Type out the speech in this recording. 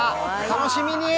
楽しみに。